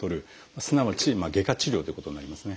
すなわち外科治療ということになりますね。